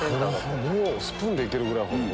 スプーンでいけるぐらい！